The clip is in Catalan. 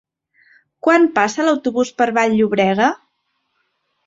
Quan passa l'autobús per Vall-llobrega?